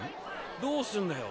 どうすんだよ？